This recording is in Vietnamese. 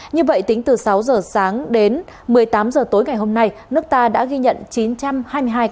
như vậy tính từ sáu h sáng đến một mươi tám h tối ngày hôm nay nước ta đã ghi nhận chín trăm hai mươi hai ca mắc mới covid một mươi chín